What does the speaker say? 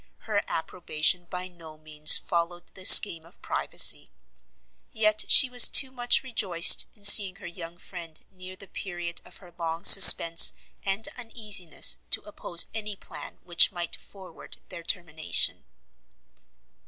Her approbation by no means followed the scheme of privacy; yet she was too much rejoiced in seeing her young friend near the period of her long suspence and uneasiness, to oppose any plan which might forward their termination.